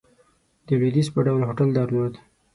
د لوېدیځ په ډول هوټل درلود.